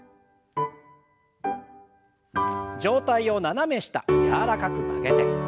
上体を斜め下柔らかく曲げて。